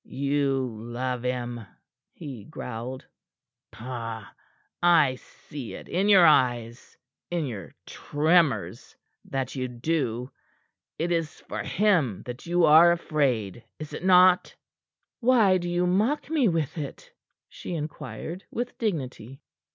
"You love him!" he growled. "Pah! I see it in your eyes in your tremors that you do. It is for him that you are afraid, is't not?" "Why do you mock me with it?" she inquired with dignity.